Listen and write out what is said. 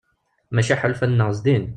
Maca iḥulfan-nneɣ zdin.